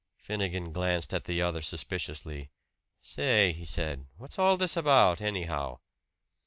Finnegan glanced at the other suspiciously. "Say," he said, "what's all this about, anyhow?"